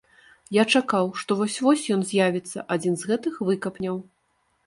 Я чакаў, што вось-вось ён з'явіцца, адзін з гэтых выкапняў.